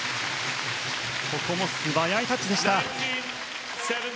ここも素早いタッチでした。